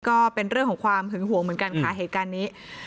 ก็เป็นเรื่องของความหึงหวงเหมือนกันค่ะเหตุการณ์นี้